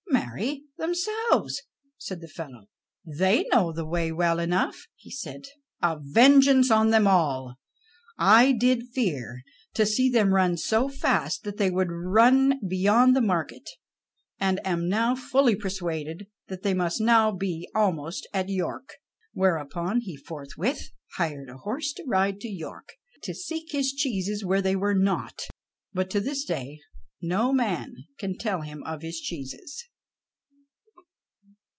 "Marry, themselves," said the fellow; "they know the way well enough." And then he said: "A vengeance on them all. I did fear to see them run so fast that they would run beyond the market. I am now fully persuaded that they must be now almost at York." Thereupon he forthwith hired a horse to ride to York, to seek his cheeses where they were not, but to this day no man can tell him of his cheeses.